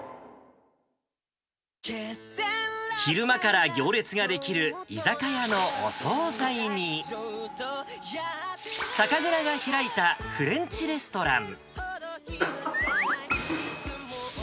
昼間から行列が出来る居酒屋のお総菜に、酒蔵が開いたフレンチレストラン。